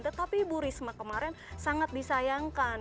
tetapi ibu risma kemarin sangat disayangkan